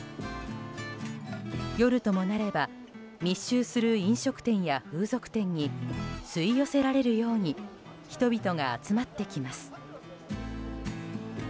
夜ともなれば密集する飲食店や風俗店に吸い寄せられるように人々が集まってきます。